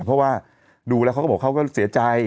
เพราะว่าดูแล้วเขาก็บอกเขาก็เสียใจ